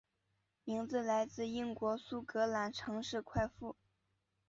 名字来自英国苏格兰城市快富。